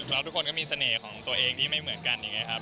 แล้วทุกคนก็มีเสน่ห์ของตัวเองที่ไม่เหมือนกันอย่างนี้ครับ